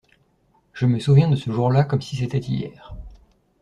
Je me souviens de ce jour-là comme si c'était hier.